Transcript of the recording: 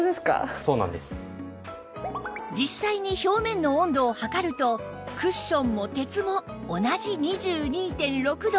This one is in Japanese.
実際に表面の温度を測るとクッションも鉄も同じ ２２．６ 度